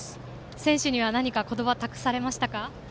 選手には何か言葉を託されましたか。